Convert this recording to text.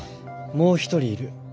もう一人いる。